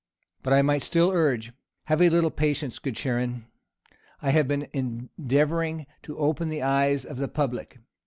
But I might still urge, 'Have a little patience, good Charon: I have been endeavoring to open the eyes of the public.